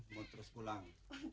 mau terus pulang